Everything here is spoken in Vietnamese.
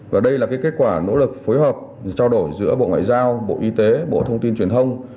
và đây là kết quả nỗ lực phối hợp trao đổi giữa bộ ngoại giao bộ y tế bộ thông tin truyền thông